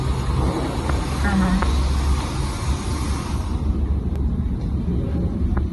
Graham, Philip and Timothy Staines were burnt alive.